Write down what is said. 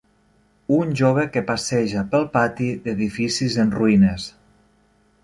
Un jove que passeja pel pati d'edificis en ruïnes.